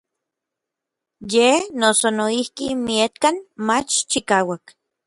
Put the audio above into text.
Yej noso noijki miekkan mach chikauak.